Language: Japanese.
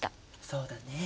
そうだね。